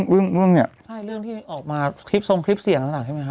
ใช่เรื่องที่ออกมาคลิปทรงคลิปเสี่ยงแล้วนะใช่ไหมค่ะ